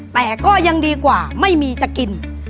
แต่ก็ยังดีกว่าไม่มีจะกิน